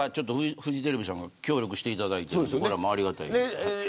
フジテレビさんが協力していただいてこれもありがたい。